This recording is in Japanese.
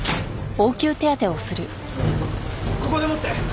ここで持って。